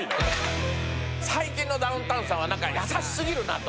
最近のダウンタウンさんは何か優し過ぎるなと。